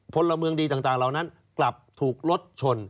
พลเมืองดีต่างเหล่านั้นกลับถูกรถชน